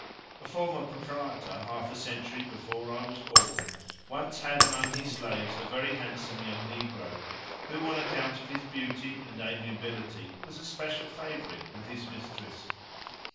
A former proprietor, half a century before I was born, once had among his slaves a very handsome young negro, who, on account of his beauty and amiability, was a special favourite with his mistress.